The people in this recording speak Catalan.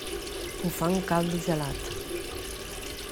Bufar en caldo gelat.